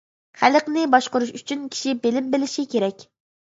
خەلقنى باشقۇرۇش ئۈچۈن كىشى بىلىم بىلىشى كېرەك.